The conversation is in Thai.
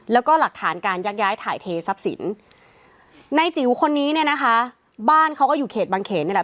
แล้วก็หลักฐานการยักย้ายถ่ายเททรัพย์สินในจิ๋วคนนี้เนี่ยนะคะบ้านเขาก็อยู่เขตบางเขนนี่แหละ